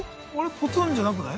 ポツンじゃなくない？